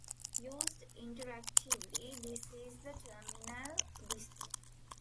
Used interactively, this is the terminal display.